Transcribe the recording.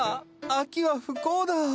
秋は不幸だ。